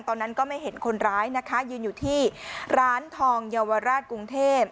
ตอนนั้นก็ไม่เห็นคนร้ายนะคะยืนอยู่ที่ร้านทองเยาวราชกรุงเทพ